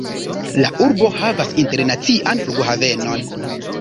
La urbo havas internacian flughavenon.